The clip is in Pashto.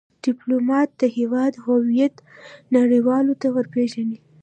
ډيپلومات د هیواد هویت نړېوالو ته ور پېژني.